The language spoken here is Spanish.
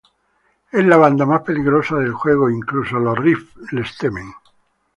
Es la banda más peligrosa del juego e incluso los Riffs les temen.